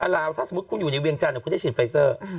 ลาวถ้าสมมุติคุณอยู่ในเวียงจันทร์คุณได้ฉีดไฟเซอร์